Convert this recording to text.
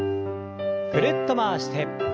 ぐるっと回して。